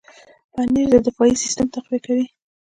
پنېر د دفاعي سیستم تقویه کوي.